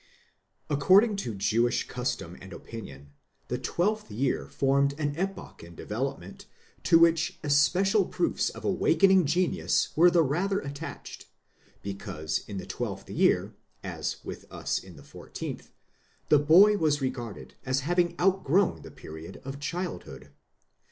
® According to Jewish custom and opinion, the twelfth year formed an epoch in development to which especial proofs of awakening genius were the rather attached, because in the twelfth year, as with us in the fourteenth, the boy was regarded as having outgrown the period of childhood.